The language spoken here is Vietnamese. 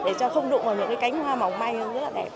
để cho không đụng vào những cái cánh hoa mỏng may rất là đẹp